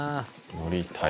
乗りたい。